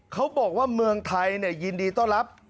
เขาบอกว่าเมืองไทยยินดีต้อนรับ